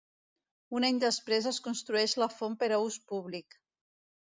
Un any després es construeix la font per a ús públic.